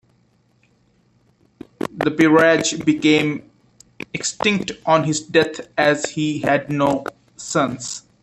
The peerage became extinct on his death as he had no sons.